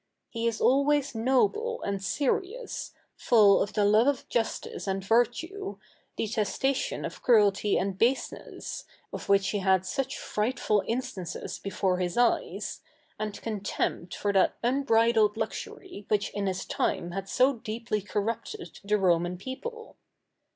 He is always noble and serious, full of the love of justice and virtue, detestation of cruelty and baseness, of which he had such frightful instances before his eyes, and contempt for that unbridled luxury which in his time had so deeply corrupted the Roman people.